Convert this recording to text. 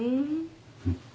うん。